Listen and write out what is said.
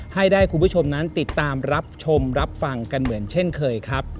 ให้ได้คุณผู้ชมนั้นติดตามรับชมรับฟังกันเหมือนเช่นเคยครับ